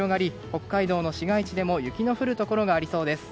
北海道の市街地でも雪の降るところがありそうです。